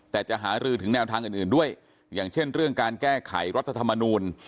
แต่จะหารือถึงแนวทางอื่นด้วยอย่างเช่นเรื่องการแก้ไขรัฐธรรมนูล